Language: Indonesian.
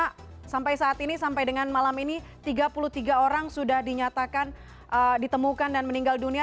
karena sampai saat ini sampai dengan malam ini tiga puluh tiga orang sudah dinyatakan ditemukan dan meninggal dunia